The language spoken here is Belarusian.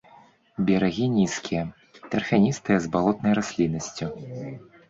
Берагі нізкія, тарфяністыя з балотнай расліннасцю.